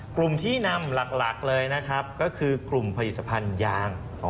กลุ่มที่นำหลักเลยนะครับก็คือกลุ่มผลิตภัณฑ์ยาง